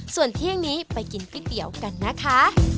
ส่วนเที่ยงนี้ไปกินก๋วยเตี๋ยวกันนะคะ